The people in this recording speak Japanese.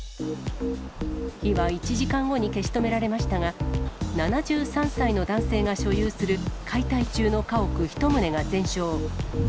火は１時間後に消し止められましたが、７３歳の男性が所有する解体中の家屋１棟が全焼。